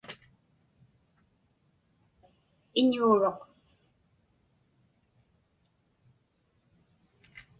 Iñuuruq.